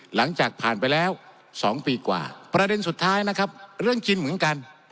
หลังจากผ่านไปแล้ว๒ปีกว่าประเด็นสุดท้ายนะครับเรื่องกินเหมือนกัน